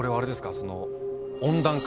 その温暖化